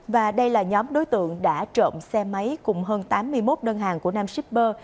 và đây là nhóm đối tượng đã trộm xe máy cùng hơn tám mươi một đơn hàng của nam shipper